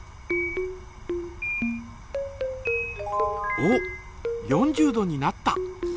おっ４０度になった。